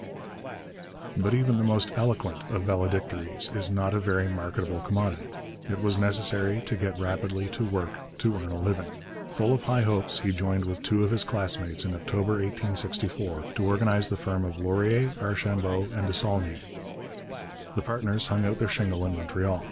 But even the most eloquent of valedictories is not a very marketable commodity. It was necessary to get rapidly to work to earn a living. Full of high hopes, he joined with two of his classmates in October 1864 to organize the firm of Laurier, Archambault and Desaulniers. The partners hung out their shingle in Montreal.